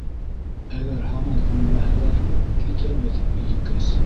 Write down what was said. Әгәр һаман күнмәһәләр, китербеҙ, Йөҙөкәс!